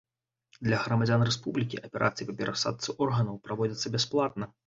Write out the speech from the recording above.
Для грамадзян рэспублікі аперацыі па перасадцы органаў праводзяцца бясплатна.